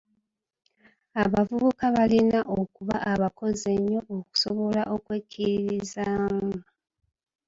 Abavubuka balina okuba abakozi ennyo okusobola okwekkiririzaamu.